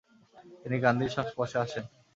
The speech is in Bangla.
তিনি গান্ধীর সংস্পর্শে আসেন।